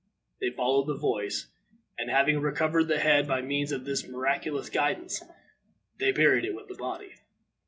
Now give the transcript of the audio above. They followed the voice, and, having recovered the head by means of this miraculous guidance, they buried it with the body.